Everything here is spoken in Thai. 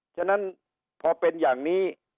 ฉะนั้นพอเป็นอย่างนี้